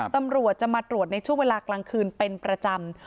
ตำรวจจะมาตรวจในช่วงเวลากลางคืนเป็นประจำ